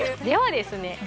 ではですね